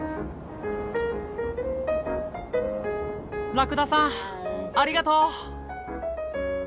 ラクダさんありがとう！